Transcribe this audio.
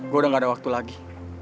gue udah gak ada waktu lagi